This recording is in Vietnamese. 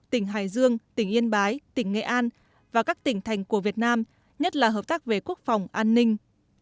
tỉnh hải dương tỉnh yên bái tỉnh nghệ an và các tỉnh thành của việt nam nhất là hợp tác về quốc phòng an ninh